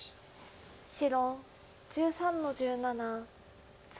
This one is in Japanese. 白１３の十七ツギ。